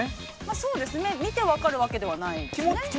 ◆そうですね、見て分かるわけではない。